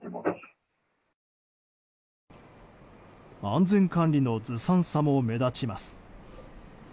安全管理のずさんさも目立ちます。